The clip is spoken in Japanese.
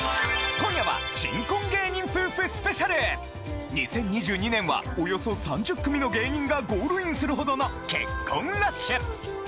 今夜は２０２２年はおよそ３０組の芸人がゴールインするほどの結婚ラッシュ！